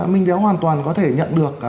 minh béo hoàn toàn có thể nhận được